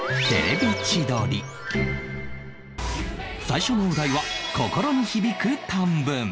最初のお題は心に響く短文